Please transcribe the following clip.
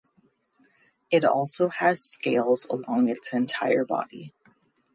It also has scales along its entire body.